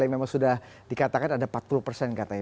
yang memang sudah dikatakan ada empat puluh persen katanya